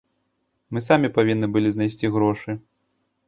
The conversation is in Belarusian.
Мы самі павінны былі знайсці грошы.